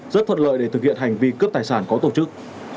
rất thuận lợi để thực hiện hành vi cướp tài sản có tổ chức